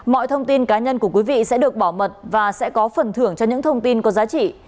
mọi thông tin cá nhân của quý vị sẽ được bảo mật và sẽ có phần thưởng cho những thông tin có giá trị